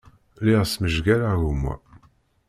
Lliɣ smejgareɣ gma.